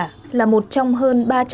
phân biệt nước hoa thật và giả